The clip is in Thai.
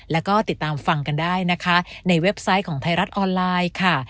แล้วก็ติดตามฟังกันได้นะคะในเว็บไซต์ของไทยรัฐออนไลน์ค่ะ